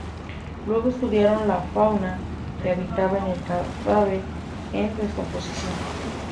Luego estudiaron la fauna que habitaba en el cadáver en descomposición.